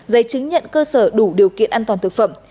giấy chứng nhận cơ sở đủ điều kiện an toàn thực phẩm